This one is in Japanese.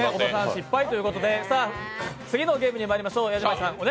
失敗ということで次のゲームにまいりましょう。